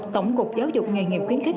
tổng cục giáo dục nghề nghiệp kiến kích